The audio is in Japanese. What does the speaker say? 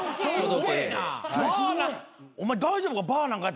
お前大丈夫か？